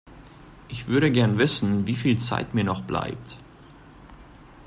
Ich würde gern wissen, wie viel Zeit mir noch bleibt.